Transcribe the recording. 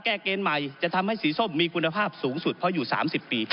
เกณฑ์ใหม่จะทำให้สีส้มมีคุณภาพสูงสุดเพราะอยู่๓๐ปี